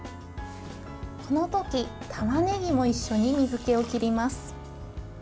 このとき、たまねぎも一緒に水けを切ります。